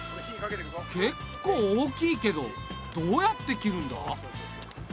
けっこう大きいけどどうやって切るんだ？